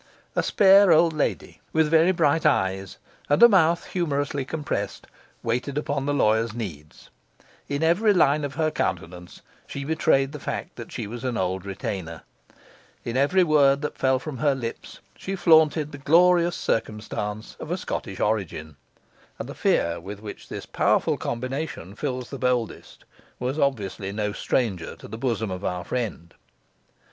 A spare old lady, with very bright eyes and a mouth humorously compressed, waited upon the lawyer's needs; in every line of her countenance she betrayed the fact that she was an old retainer; in every word that fell from her lips she flaunted the glorious circumstance of a Scottish origin; and the fear with which this powerful combination fills the boldest was obviously no stranger to the bosom of our friend.